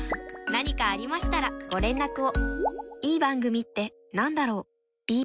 何かありましたらご連絡を。